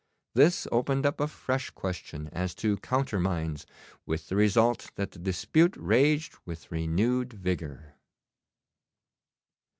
This opened up a fresh question as to counter mines, with the result that the dispute raged with renewed vigour.